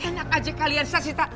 enak aja kalian saya cinta